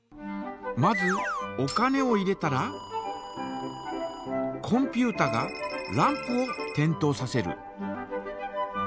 まずお金を入れたらコンピュータがランプを点灯させる。